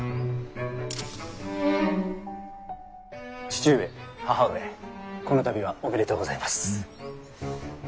父上義母上この度はおめでとうございます。